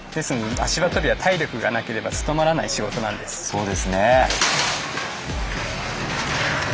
そうですね。